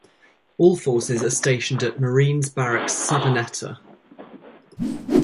All forces are stationed at Marines Barracks Savaneta.